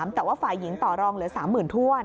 แต่ว่าฝ่ายหญิงต่อรองเหลือ๓๐๐๐ถ้วน